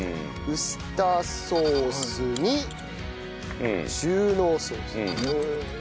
ウスターソースに中濃ソース。